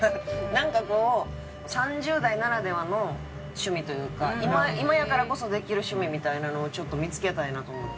なんかこう３０代ならではの趣味というか今やからこそできる趣味みたいなのをちょっと見付けたいなと思って。